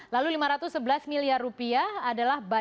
lalu lima ratus sebelas miliar rupiah adalah bantuan